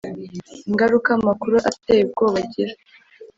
Ingaruka amakuru ateye ubwoba agira